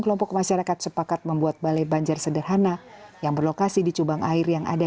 kelompok masyarakat sepakat membuat balai banjar sederhana yang berlokasi di cubang air yang ada